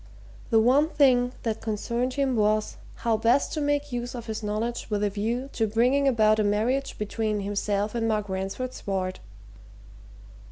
The one thing that concerned him was how best to make use of his knowledge with a view to bringing about a marriage between himself and Mark Ransford's ward.